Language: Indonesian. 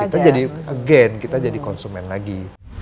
kita jadi again kita jadi konsumen lagi